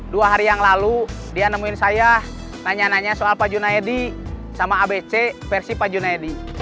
dua hari yang lalu dia nemuin saya nanya nanya soal pak junaidi sama abc versi pak junaidi